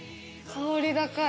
香り高い。